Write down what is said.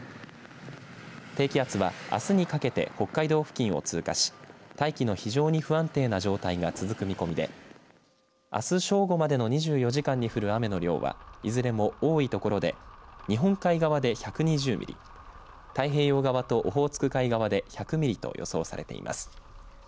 低気圧はあすにかけて北海道付近を通過し大気の非常に不安定な状況が続く見込みであす正午までの２４時間に降る雨の量はいずれも多いところで日本海側で１２０ミリ太平洋側とオホーツク海側で１００ミリと予想されています。